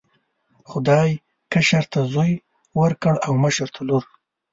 خدای کشر ته زوی ورکړ او مشر ته لور.